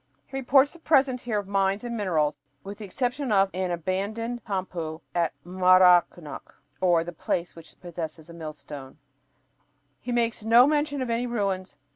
He reports the presence here of mines and minerals, but with the exception of an "abandoned tampu" at Maracnyoc ("the place which possesses a millstone"), he makes no mention of any ruins.